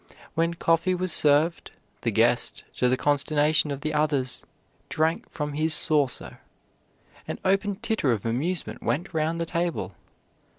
When coffee was served, the guest, to the consternation of the others, drank from his saucer. An open titter of amusement went round the table.